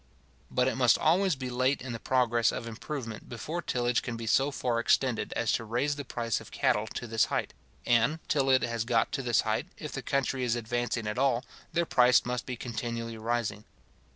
But it must always be late in the progress of improvement before tillage can be so far extended as to raise the price of cattle to this height; and, till it has got to this height, if the country is advancing at all, their price must be continually rising.